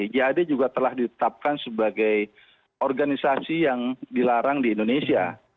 jad juga telah ditetapkan sebagai organisasi yang dilarang di indonesia